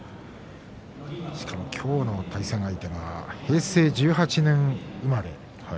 しかも今日の対戦相手が平成１８年生まれ。